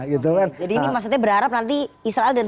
jadi ini maksudnya berharap nanti israel dan